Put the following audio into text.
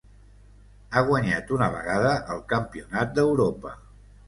Ha guanyat una vegada el Campionat d'Europa.